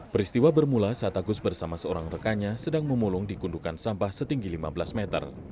peristiwa bermula saat agus bersama seorang rekannya sedang memulung di gundukan sampah setinggi lima belas meter